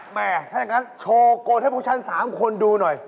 แม่ถ้าอย่างนั้นโชว์กดให้พวกฉัน๓คนดูหน่อย